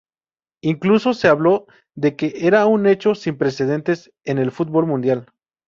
Incluso se habló de que era un hecho sin precedentes en el fútbol mundial.